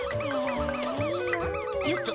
よっと！